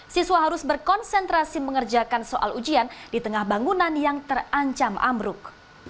siswa harus berkonsentrasi mengerjakan soal ujian di tengah bangunan yang terancam amruk